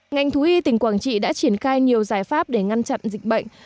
ngành thú y tỉnh quảng trị đã triển khai nhiều giải pháp để ngăn chặn dịch bệnh